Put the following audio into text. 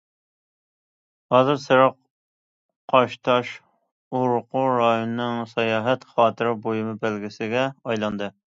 ھازىر سېرىق قاشتاش ئورقۇ رايونىنىڭ ساياھەت خاتىرە بۇيۇمى بەلگىسىگە ئايلاندى.